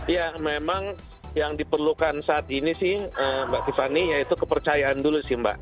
ya memang yang diperlukan saat ini sih mbak tiffany yaitu kepercayaan dulu sih mbak